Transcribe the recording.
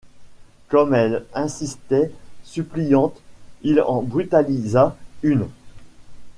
Comme elles insistaient, suppliantes, il en brutalisa une.